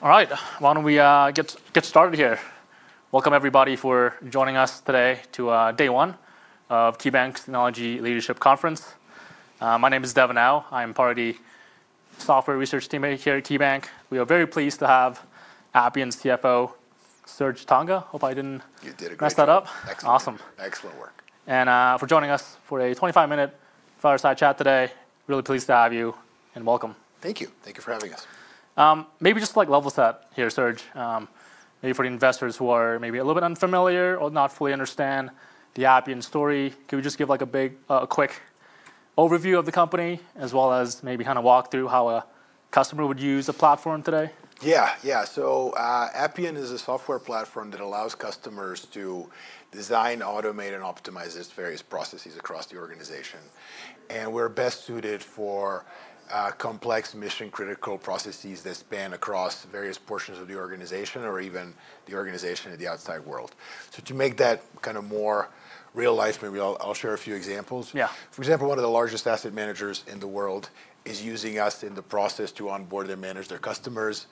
All right, why don't we get started here? Welcome everybody for joining us today to day one of T Bank's Technology Leadership Conference. My name is Devan Now. I am part of the software research team here at T Bank. We are very pleased to have Appian's CFO, Serge Tanjga. Hope I didn't mess that up. Excellent. Awesome. Excellent work. you for joining us for a 25-minute fireside chat today. Really pleased to have you and welcome. Thank you. Thank you for having us. Maybe just like level set here, Serge, maybe for the investors who are maybe a little bit unfamiliar or not fully understand the Appian story, can we just give like a big, a quick overview of the company as well as maybe kind of walk through how a customer would use a platform today? Yeah, yeah. Appian is a software platform that allows customers to design, automate, and optimize its various processes across the organization. We're best suited for complex mission-critical processes that span across various portions of the organization or even the organization at the outside world. To make that kind of more real-life, maybe I'll share a few examples. Yeah. For example, one of the largest asset managers in the world is using us in the process to onboard and manage their customers.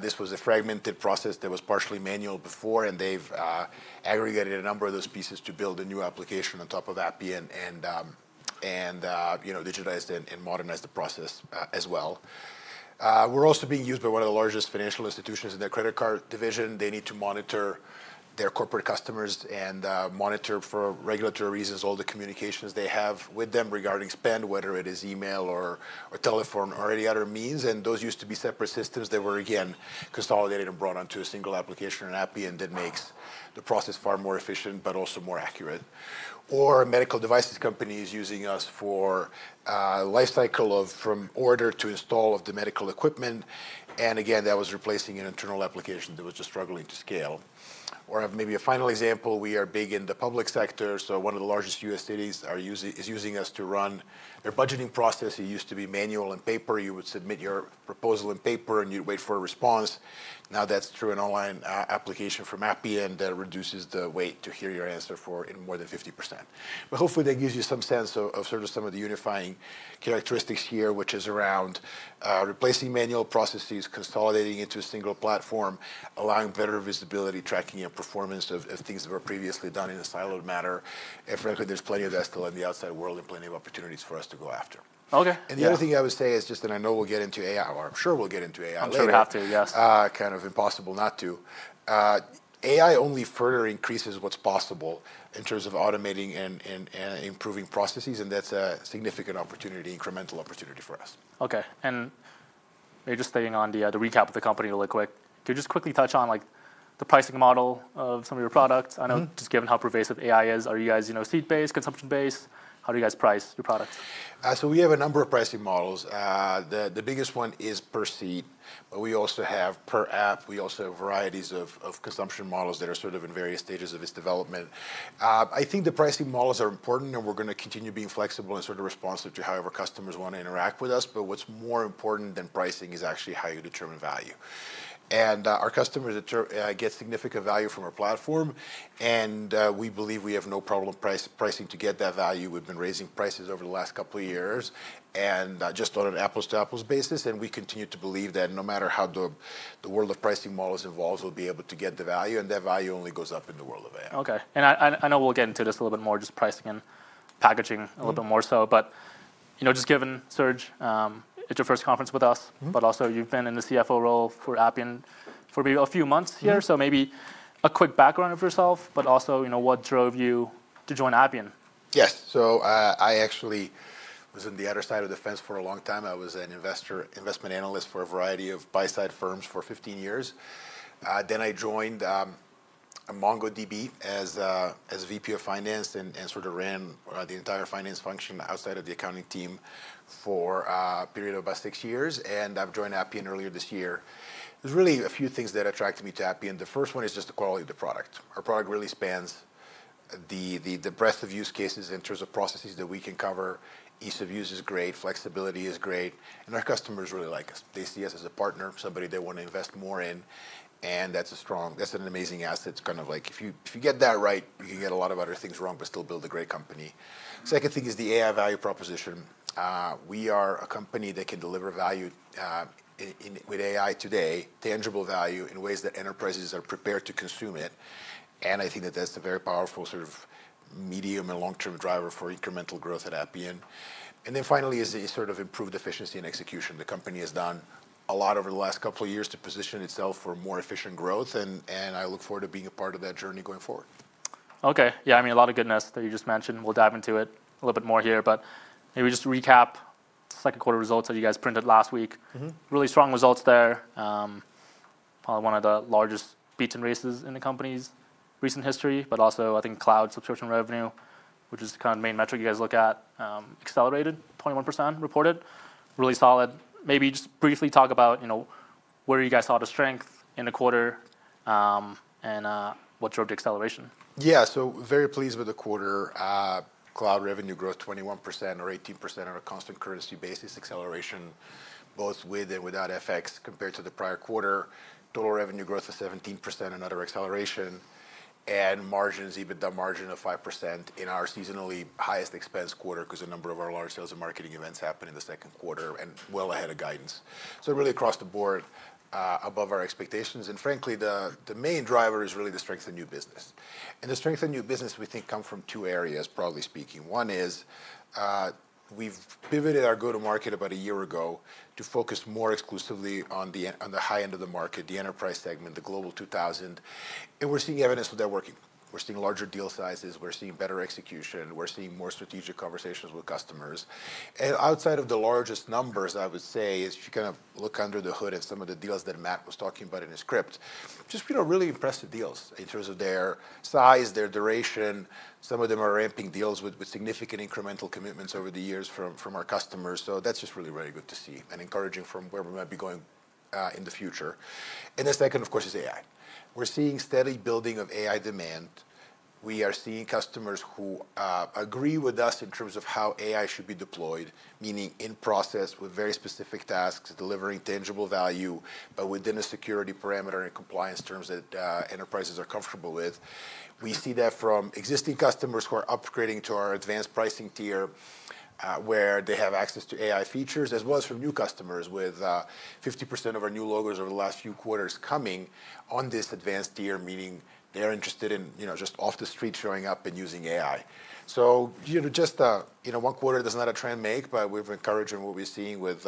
This was a fragmented process that was partially manual before, and they've aggregated a number of those pieces to build a new application on top of Appian and digitized and modernized the process as well. We're also being used by one of the largest financial institutions in their credit card division. They need to monitor their corporate customers and monitor for regulatory reasons all the communications they have with them regarding spend, whether it is email or telephone or any other means. Those used to be separate systems that were, again, consolidated and brought onto a single application in Appian that makes the process far more efficient but also more accurate. Medical devices companies are using us for a lifecycle from order to install of the medical equipment. That was replacing an internal application that was just struggling to scale. A final example, we are big in the public sector. One of the largest U.S. cities is using us to run their budgeting process. It used to be manual and paper. You would submit your proposal in paper and you'd wait for a response. Now that's through an online application from Appian that reduces the wait to hear your answer by more than 50%. Hopefully that gives you some sense of some of the unifying characteristics here, which is around replacing manual processes, consolidating into a single platform, allowing better visibility, tracking, and performance of things that were previously done in a siloed manner. Frankly, there's plenty of that still in the outside world and plenty of opportunities for us to go after. Okay. The other thing I would say is, I know we'll get into AI, or I'm sure we'll get into AI. We should have to, yes. Kind of impossible not to. AI only further increases what's possible in terms of automating and improving processes, and that's a significant opportunity, incremental opportunity for us. Okay. Maybe just staying on the recap of the company really quick, can you just quickly touch on like the pricing model of some of your products? I know just given how pervasive AI is, are you guys seat-based, consumption-based? How do you guys price your products? We have a number of pricing models. The biggest one is per seat, but we also have per app. We also have varieties of consumption models that are in various stages of its development. I think the pricing models are important, and we're going to continue being flexible and responsive to however customers want to interact with us. What's more important than pricing is actually how you determine value. Our customers get significant value from our platform, and we believe we have no problem pricing to get that value. We've been raising prices over the last couple of years just on an apples-to-apples basis. We continue to believe that no matter how the world of pricing models evolves, we'll be able to get the value, and that value only goes up in the world of AI. Okay. I know we'll get into this a little bit more, just pricing and packaging a little bit more so. Serge, it's your first conference with us, but also you've been in the CFO role for Appian for a few months here. Maybe a quick background of yourself, but also what drove you to join Appian? Yes. I actually was on the other side of the fence for a long time. I was an investment analyst for a variety of buy-side firms for 15 years. Then I joined MongoDB as VP of Finance and ran the entire finance function outside of the accounting team for a period of about six years. I joined Appian earlier this year. There are really a few things that attracted me to Appian. The first one is just the quality of the product. Our product really spans the breadth of use cases in terms of processes that we can cover. Ease of use is great. Flexibility is great. Our customers really like us. They see us as a partner, somebody they want to invest more in. That's a strong, that's an amazing asset. If you get that right, you can get a lot of other things wrong but still build a great company. The second thing is the AI value proposition. We are a company that can deliver value with AI today, tangible value in ways that enterprises are prepared to consume it. I think that that's a very powerful sort of medium and long-term driver for incremental growth at Appian. Finally, there is the sort of improved efficiency and execution. The company has done a lot over the last couple of years to position itself for more efficient growth. I look forward to being a part of that journey going forward. Okay. Yeah, I mean a lot of goodness that you just mentioned. We'll dive into it a little bit more here. Maybe just recap the second quarter results that you guys printed last week. Really strong results there. Probably one of the largest beats and raises in the company's recent history. I think cloud subscription revenue, which is kind of the main metric you guys look at, accelerated 21% reported. Really solid. Maybe just briefly talk about where you guys saw the strength in the quarter and what drove the acceleration. Yeah, so very pleased with the quarter. Cloud revenue growth 21% or 18% on a constant currency basis, acceleration both with and without FX compared to the prior quarter. Total revenue growth of 17% in other acceleration. Margins, even the margin of 5% in our seasonally highest expense quarter because a number of our large sales and marketing events happened in the second quarter and well ahead of guidance. Really across the board, above our expectations. Frankly, the main driver is really the strength in new business. The strength in new business we think comes from two areas, broadly speaking. One is we've pivoted our go-to-market about a year ago to focus more exclusively on the high end of the market, the enterprise segment, the Global 2000. We're seeing evidence of that working. We're seeing larger deal sizes. We're seeing better execution. We're seeing more strategic conversations with customers. Outside of the largest numbers, I would say, if you kind of look under the hood at some of the deals that Matt was talking about in his script, just really impressive deals in terms of their size, their duration. Some of them are ramping deals with significant incremental commitments over the years from our customers. That's just really very good to see and encouraging from where we might be going in the future. The second, of course, is AI. We're seeing steady building of AI demand. We are seeing customers who agree with us in terms of how AI should be deployed, meaning in process with very specific tasks, delivering tangible value, but within a security parameter and compliance terms that enterprises are comfortable with. We see that from existing customers who are upgrading to our advanced pricing tier, where they have access to AI features, as well as from new customers with 50% of our new logos over the last few quarters coming on this advanced tier, meaning they're interested in just off the street showing up and using AI. Just one quarter does not a trend make, but we're encouraging what we're seeing with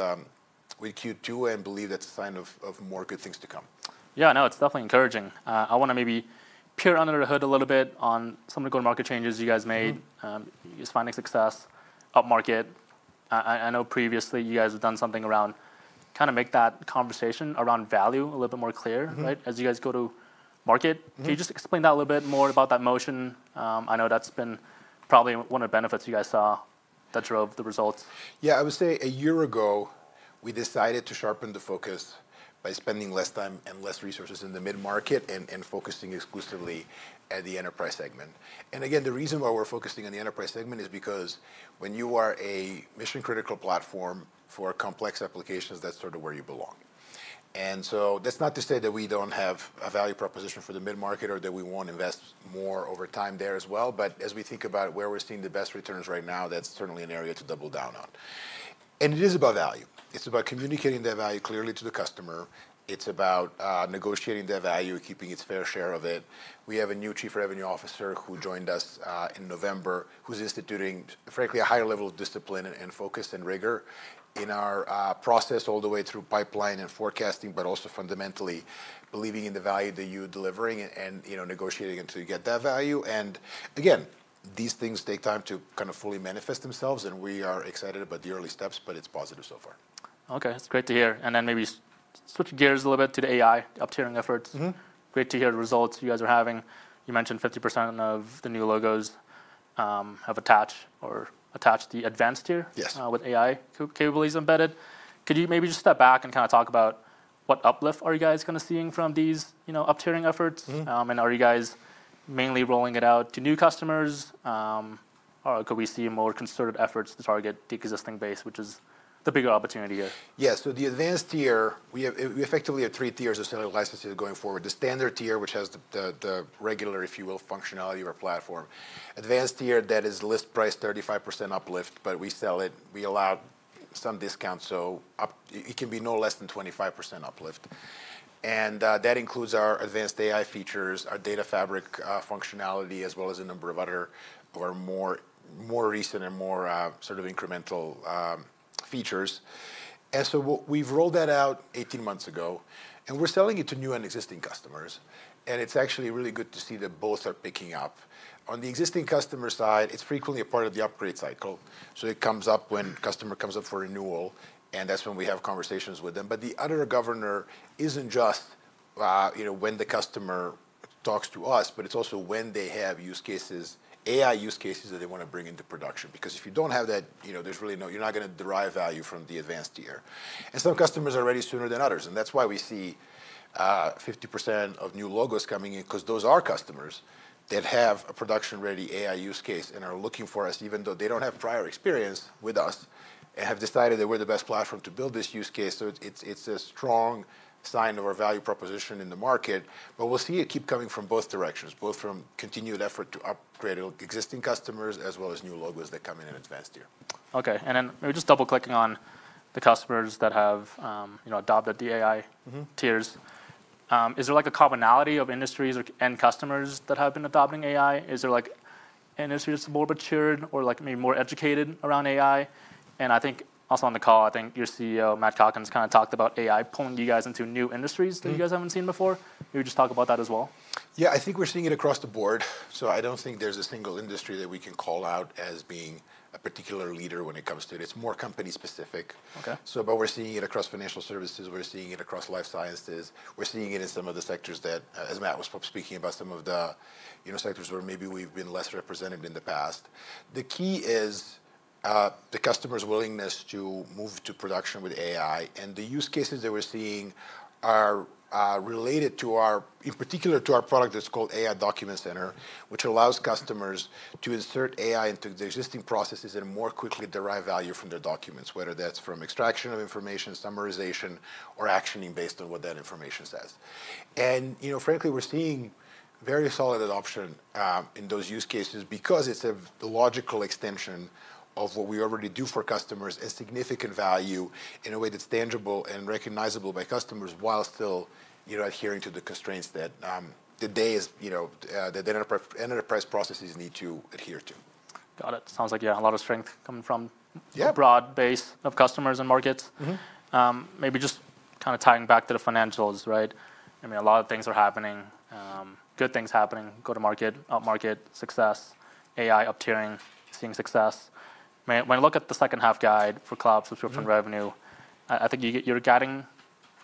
Q2, and I believe that's a sign of more good things to come. Yeah, no, it's definitely encouraging. I want to maybe peer under the hood a little bit on some of the go-to-market changes you guys made. You guys finding success up market. I know previously you guys have done something around kind of make that conversation around value a little bit more clear, right? As you guys go to market, can you just explain that a little bit more about that motion? I know that's been probably one of the benefits you guys saw that drove the results. Yeah, I would say a year ago, we decided to sharpen the focus by spending less time and less resources in the mid-market and focusing exclusively on the enterprise segment. The reason why we're focusing on the enterprise segment is because when you are a mission-critical platform for complex applications, that's sort of where you belong. That's not to say that we don't have a value proposition for the mid-market or that we won't invest more over time there as well. As we think about where we're seeing the best returns right now, that's certainly an area to double down on. It is about value. It's about communicating that value clearly to the customer. It's about negotiating that value, keeping its fair share of it. We have a new Chief Revenue Officer who joined us in November, who's instituting, frankly, a higher level of discipline and focus and rigor in our process all the way through pipeline and forecasting, but also fundamentally believing in the value that you're delivering and negotiating until you get that value. These things take time to kind of fully manifest themselves, and we are excited about the early steps, but it's positive so far. Okay, that's great to hear. Maybe switching gears a little bit to the AI upturning efforts. Great to hear the results you guys are having. You mentioned 50% of the new logos have attached or attached the advanced tier with AI capabilities embedded. Could you maybe just step back and kind of talk about what uplift are you guys kind of seeing from these upturning efforts? Are you guys mainly rolling it out to new customers? Could we see more concerted efforts to target the existing base, which is the bigger opportunity here? Yeah, so the advanced tier, we effectively have three tiers of selling licenses going forward. The standard tier, which has the regular, if you will, functionality of our platform. Advanced tier that is list price 35% uplift, but we sell it. We allow some discounts, so it can be no less than 25% uplift. That includes our advanced AI features, our Data Fabric functionality, as well as a number of other more recent and more sort of incremental features. We rolled that out 18 months ago, and we're selling it to new and existing customers. It's actually really good to see that both are picking up. On the existing customer side, it's frequently a part of the upgrade cycle. It comes up when a customer comes up for renewal, and that's when we have conversations with them. The other governor isn't just, you know, when the customer talks to us, but it's also when they have use cases, AI use cases that they want to bring into production. If you don't have that, you know, there's really no, you're not going to derive value from the advanced tier. Some customers are ready sooner than others. That's why we see 50% of new logos coming in because those are customers that have a production-ready AI use case and are looking for us, even though they don't have prior experience with us and have decided that we're the best platform to build this use case. It's a strong sign of our value proposition in the market. We'll see it keep coming from both directions, both from continued effort to upgrade existing customers as well as new logos that come in in advanced tier. Okay. Maybe just double-clicking on the customers that have adopted the AI tiers, is there a commonality of industries and customers that have been adopting AI? Is there industries that are more matured or maybe more educated around AI? I think also on the call, your CEO, Matt Calkins, talked about AI pulling you guys into new industries that you guys haven't seen before. Can you talk about that as well? Yeah, I think we're seeing it across the board. I don't think there's a single industry that we can call out as being a particular leader when it comes to it. It's more company-specific. Okay. We're seeing it across financial services. We're seeing it across life sciences. We're seeing it in some of the sectors that, as Matt was speaking about, some of the sectors where maybe we've been less represented in the past. The key is the customer's willingness to move to production with AI. The use cases that we're seeing are related in particular to our product that's called AI Document Center, which allows customers to insert AI into the existing processes and more quickly derive value from their documents, whether that's from extraction of information, summarization, or actioning based on what that information says. Frankly, we're seeing very solid adoption in those use cases because it's a logical extension of what we already do for customers, a significant value in a way that's tangible and recognizable by customers while still adhering to the constraints that the enterprise processes need to adhere to. Got it. Sounds like, yeah, a lot of strength coming from a broad base of customers and markets. Maybe just kind of tying back to the financials, right? I mean, a lot of things are happening. Good things happening. Go to market, upmarket, success, AI upturning, seeing success. When I look at the second half guide for cloud subscription revenue, I think you're getting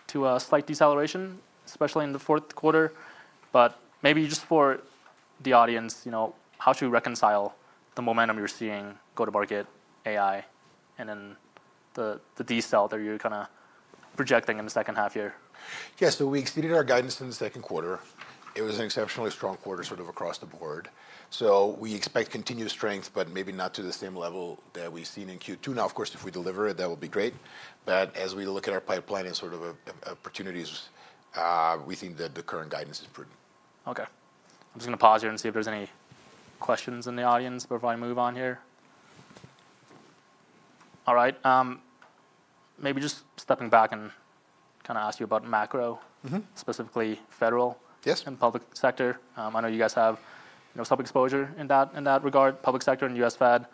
to a slight deceleration, especially in the fourth quarter. Maybe just for the audience, you know, how to reconcile the momentum you're seeing, go to market, AI, and then the deceleration that you're kind of projecting in the second half here. Yeah, we exceeded our guidance in the second quarter. It was an exceptionally strong quarter across the board. We expect continued strength, but maybe not to the same level that we've seen in Q2. Of course, if we deliver it, that would be great. As we look at our pipeline and opportunities, we think that the current guidance is prudent. Okay. I'm just going to pause you and see if there's any questions in the audience before I move on here. All right. Maybe just stepping back and kind of ask you about macro, specifically federal and public sector. I know you guys have some exposure in that regard, public sector and U.S. Fed.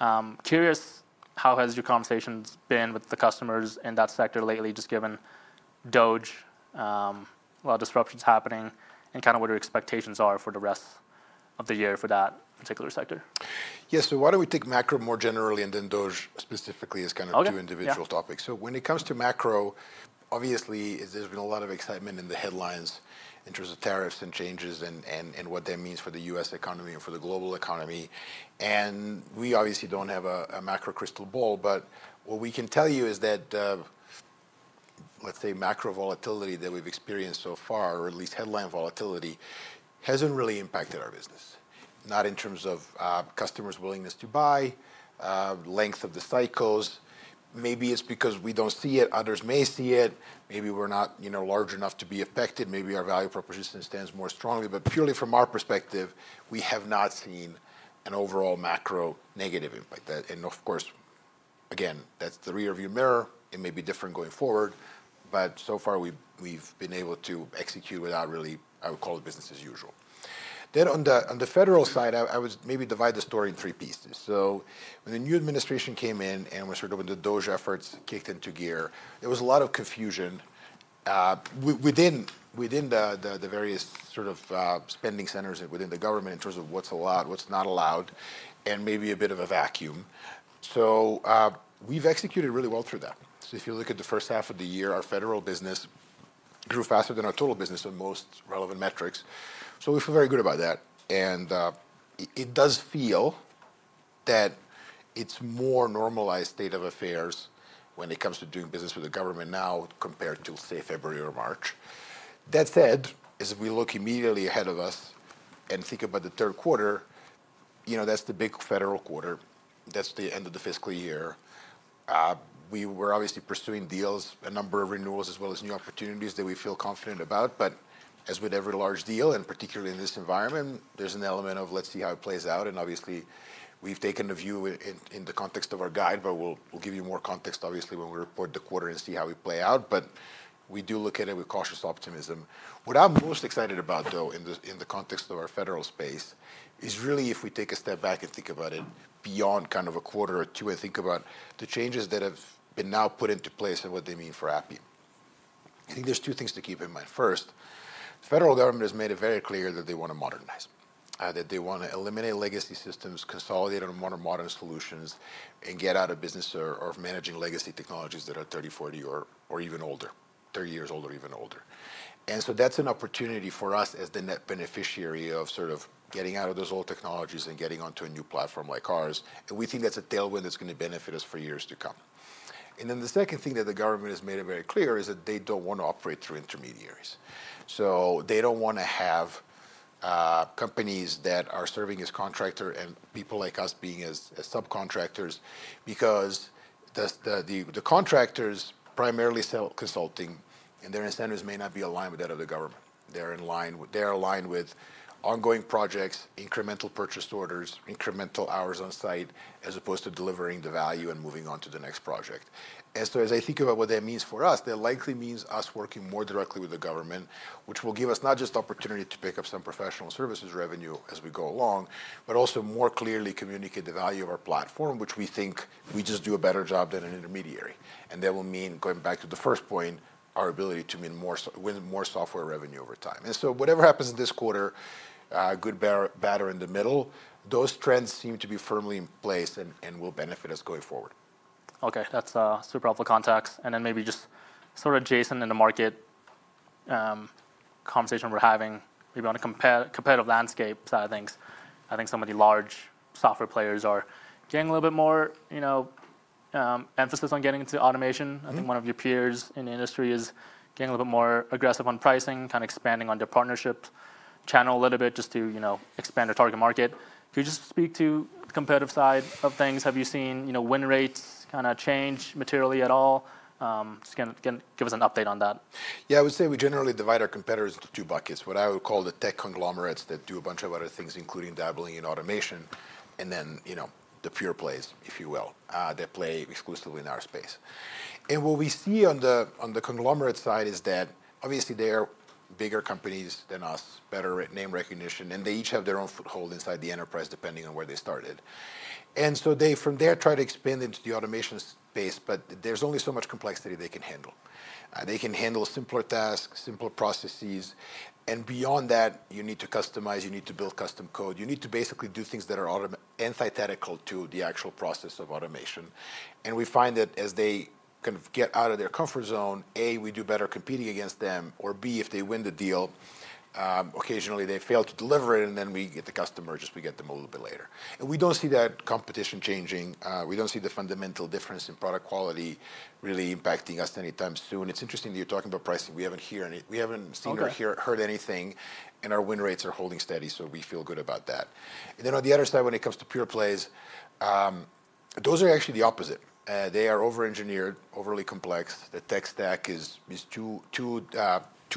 I'm curious, how has your conversations been with the customers in that sector lately, just given a lot of disruptions happening, and kind of what your expectations are for the rest of the year for that particular sector? Yeah, so why don't we take macro more generally and then DOGE specifically as kind of two individual topics. When it comes to macro, obviously, there's been a lot of excitement in the headlines in terms of tariffs and changes and what that means for the U.S. economy and for the global economy. We obviously don't have a macro crystal ball, but what we can tell you is that, let's say, macro volatility that we've experienced so far, or at least headline volatility, hasn't really impacted our business. Not in terms of customers' willingness to buy, length of the cycles. Maybe it's because we don't see it. Others may see it. Maybe we're not large enough to be affected. Maybe our value proposition stands more strongly. Purely from our perspective, we have not seen an overall macro negative impact. Of course, that's the rearview mirror. It may be different going forward. So far, we've been able to execute without really, I would call it business as usual. On the federal side, I would maybe divide the story in three pieces. When the new administration came in and we started with the DOGE efforts kicked into gear, there was a lot of confusion within the various sort of spending centers within the government in terms of what's allowed, what's not allowed, and maybe a bit of a vacuum. We've executed really well through that. If you look at the first half of the year, our federal business grew faster than our total business in most relevant metrics. We feel very good about that. It does feel that it's a more normalized state of affairs when it comes to doing business with the government now compared to, say, February or March. That said, as we look immediately ahead of us and think about the third quarter, that's the big federal quarter. That's the end of the fiscal year. We were obviously pursuing deals, a number of renewals as well as new opportunities that we feel confident about. As with every large deal, and particularly in this environment, there's an element of, let's see how it plays out. Obviously, we've taken a view in the context of our guide, but we'll give you more context when we report the quarter and see how we play out. We do look at it with cautious optimism. What I'm most excited about, though, in the context of our federal space is really if we take a step back and think about it beyond kind of a quarter or two and think about the changes that have been now put into place and what they mean for Appian. I think there's two things to keep in mind. First, the federal government has made it very clear that they want to modernize, that they want to eliminate legacy systems, consolidate on more modern solutions, and get out of business or managing legacy technologies that are 30, 40, or even older, 30 years old or even older. That's an opportunity for us as the net beneficiary of sort of getting out of those old technologies and getting onto a new platform like ours. We think that's a tailwind that's going to benefit us for years to come. The second thing that the government has made it very clear is that they don't want to operate through intermediaries. They don't want to have companies that are serving as contractors and people like us being as subcontractors because the contractors primarily sell consulting and their incentives may not be aligned with that of the government. They're aligned with ongoing projects, incremental purchase orders, incremental hours on site, as opposed to delivering the value and moving on to the next project. As I think about what that means for us, that likely means us working more directly with the government, which will give us not just the opportunity to pick up some professional services revenue as we go along, but also more clearly communicate the value of our platform, which we think we just do a better job than an intermediary. That will mean, going back to the first point, our ability to win more software revenue over time. Whatever happens in this quarter, a good batter in the middle, those trends seem to be firmly in place and will benefit us going forward. Okay, that's super helpful context. Maybe just sort of adjacent in the market conversation we're having, maybe on a competitive landscape side of things, I think some of the large software players are getting a little bit more emphasis on getting into automation. I think one of your peers in the industry is getting a little bit more aggressive on pricing, kind of expanding on their partnership channel a little bit just to expand their target market. Can you just speak to the competitive side of things? Have you seen win rates kind of change materially at all? Just give us an update on that. Yeah, I would say we generally divide our competitors into two buckets, what I would call the tech conglomerates that do a bunch of other things, including dabbling in automation, and then the pure plays, if you will, that play exclusively in our space. What we see on the conglomerate side is that obviously they are bigger companies than us, better name recognition, and they each have their own foothold inside the enterprise depending on where they started. From there, they try to expand into the automation space, but there's only so much complexity they can handle. They can handle simpler tasks, simpler processes, and beyond that, you need to customize, you need to build custom code, you need to basically do things that are antithetical to the actual process of automation. We find that as they kind of get out of their comfort zone, A, we do better competing against them, or B, if they win the deal, occasionally they fail to deliver it, and then we get the customer, just, we get them a little bit later. We don't see that competition changing. We don't see the fundamental difference in product quality really impacting us anytime soon. It's interesting that you're talking about pricing. We haven't seen or heard anything, and our win rates are holding steady, so we feel good about that. On the other side, when it comes to pure plays, those are actually the opposite. They are over-engineered, overly complex. The tech stack is too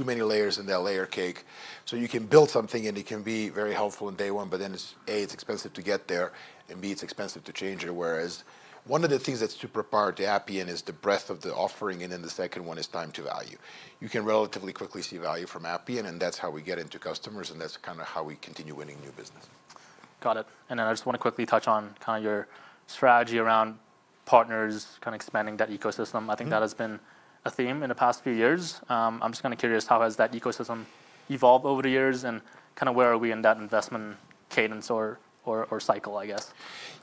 many layers in that layer cake. You can build something, and it can be very helpful on day one, but then it's A, it's expensive to get there, and B, it's expensive to change it. One of the things that's super powered to Appian is the breadth of the offering, and then the second one is time to value. You can relatively quickly see value from Appian, and that's how we get into customers, and that's kind of how we continue winning new business. Got it. I just want to quickly touch on your strategy around partners expanding that ecosystem. I think that has been a theme in the past few years. I'm just curious, how has that ecosystem evolved over the years, and where are we in that investment cadence or cycle, I guess?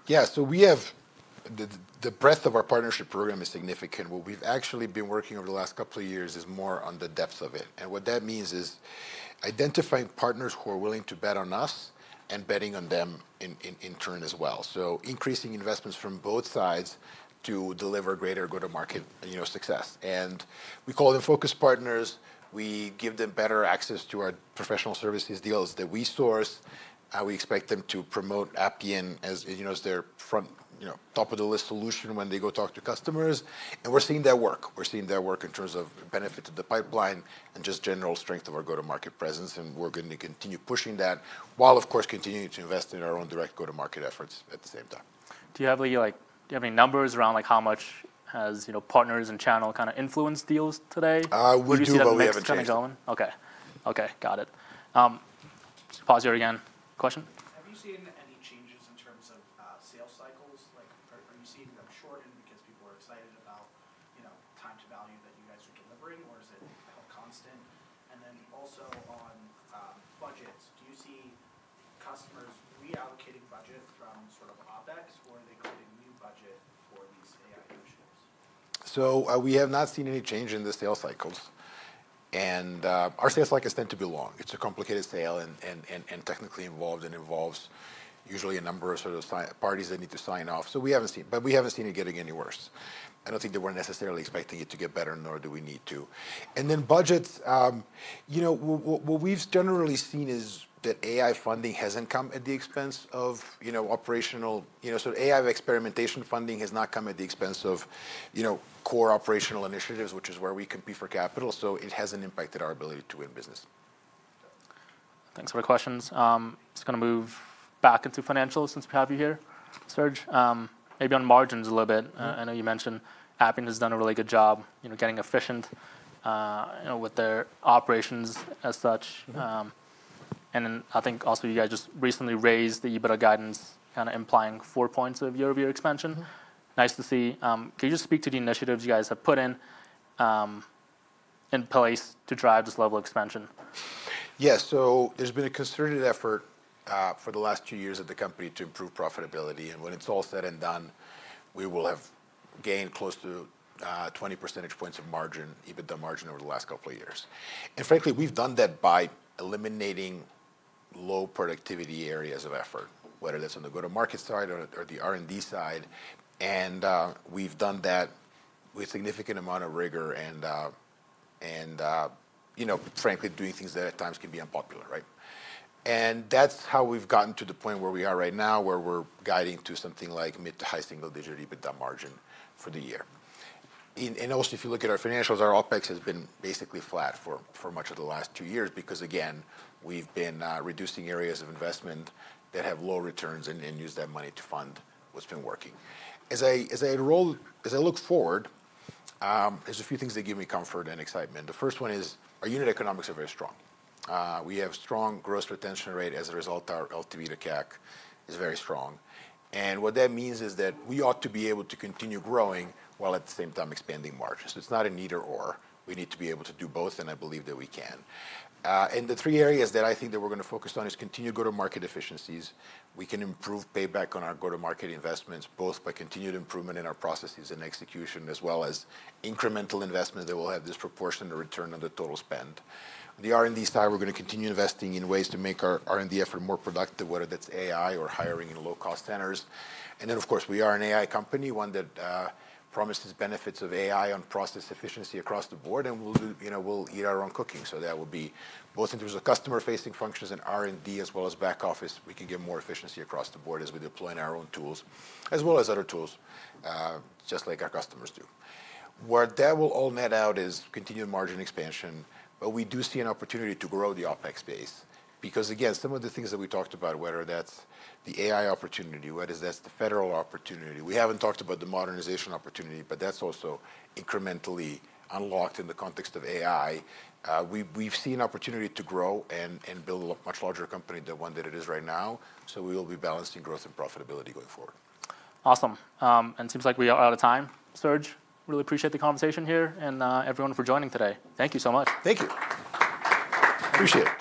Yeah, so we have, the breadth of our partnership program is significant. What we've actually been working over the last couple of years is more on the depth of it. What that means is identifying partners who are willing to bet on us and betting on them in turn as well. Increasing investments from both sides to deliver greater go-to-market success, we call them focus partners. We give them better access to our professional services deals that we source. We expect them to promote Appian as their front, you know, top-of-the-list solution when they go talk to customers. We're seeing that work. We're seeing that work in terms of benefits of the pipeline and just general strength of our go-to-market presence. We're going to continue pushing that while, of course, continuing to invest in our own direct go-to-market efforts at the same time. Do you have any numbers around how much partners and channel kind of influenced deals today? We do, but we haven't seen it. Okay, got it. Pause you again. Question? Have you seen any changes in terms of sales cycles? Like, are you seeing shortened because people are excited about, you know, time to value that you guys are delivering, or is it kind of constant? Also, on budgets, do you see customers reallocating budget from sort of OpEx, or are they creating new budget for, say, ideal ships? We have not seen any change in the sales cycles. Our sales cycles tend to be long. It's a complicated sale, technically involved, and usually involves a number of parties that need to sign off. We haven't seen it getting any worse. I don't think that we're necessarily expecting it to get better, nor do we need to. Regarding budgets, what we've generally seen is that AI funding hasn't come at the expense of operational initiatives. AI experimentation funding has not come at the expense of core operational initiatives, which is where we compete for capital. It hasn't impacted our ability to win business. Thanks for the questions. I'm just going to move back into financials since we have you here, Serge. Maybe on margins a little bit. I know you mentioned Appian has done a really good job getting efficient with their operations as such. I think also you guys just recently raised the EBITDA guidance, kind of implying four points of year-over-year expansion. Nice to see. Can you just speak to the initiatives you guys have put in place to drive this level of expansion? Yeah, so there's been a concerted effort for the last two years at the company to improve profitability. When it's all said and done, we will have gained close to 20 percentage points of margin, EBITDA margin over the last couple of years. Frankly, we've done that by eliminating low productivity areas of effort, whether that's on the go-to-market side or the R&D side. We've done that with a significant amount of rigor and, frankly, doing things that at times can be unpopular, right? That's how we've gotten to the point where we are right now, where we're guiding to something like mid to high single-digit EBITDA margin for the year. Also, if you look at our financials, our OpEx has been basically flat for much of the last two years because, again, we've been reducing areas of investment that have low returns and use that money to fund what's been working. As I look forward, there's a few things that give me comfort and excitement. The first one is our unit economics are very strong. We have a strong gross retention rate. As a result, our LTV to CAC is very strong. What that means is that we ought to be able to continue growing while at the same time expanding margins. It's not an either-or. We need to be able to do both, and I believe that we can. The three areas that I think that we're going to focus on are continued go-to-market efficiencies. We can improve payback on our go-to-market investments, both by continued improvement in our processes and execution, as well as incremental investments that will have disproportionate return on the total spend. The R&D side, we're going to continue investing in ways to make our R&D effort more productive, whether that's AI or hiring in low-cost centers. Of course, we are an AI company, one that promises benefits of AI on process efficiency across the board, and we'll eat our own cooking. That will be both in terms of customer-facing functions and R&D, as well as back office. We can give more efficiency across the board as we deploy in our own tools, as well as other tools, just like our customers do. What that will all net out is continued margin expansion, but we do see an opportunity to grow the OpEx base because, again, some of the things that we talked about, whether that's the AI opportunity, whether that's the federal opportunity, we haven't talked about the modernization opportunity, but that's also incrementally unlocked in the context of AI. We've seen opportunity to grow and build a much larger company, the one that it is right now. We will be balancing growth and profitability going forward. Awesome. It seems like we are out of time. Serge, really appreciate the conversation here and everyone for joining today. Thank you so much. Thank you. Appreciate it.